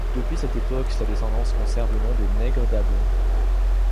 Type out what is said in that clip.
Depuis cette époque sa descendance conserve le nom de Nègre d'Able.